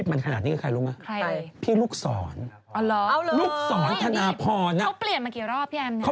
อ๋อเท่านึงมีคนน้ำนึงเปลี่ยนหรอ